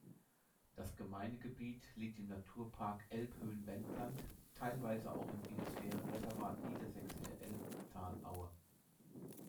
Das Gemeindegebiet liegt im Naturpark Elbhöhen-Wendland, teilweise auch im Biosphärenreservat Niedersächsische Elbtalaue.